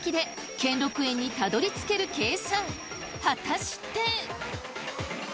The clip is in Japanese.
果たして？